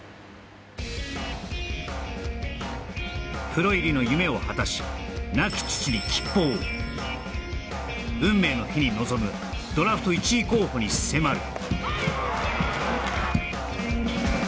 プロ入りの夢を果たし亡き父に吉報を運命の日に臨むドラフト１位候補に迫る